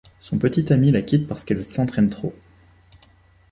Son petit ami la quitte parce qu'elle s'entraîne trop.